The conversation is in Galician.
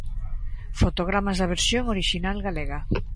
Fotogramas da versión orixinal galega.